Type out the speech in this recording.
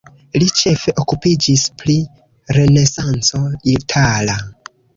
Li ĉefe okupiĝis pri renesanco itala.